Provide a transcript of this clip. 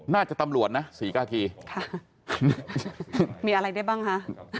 ตำรวจนะศรีกากีค่ะมีอะไรได้บ้างคะ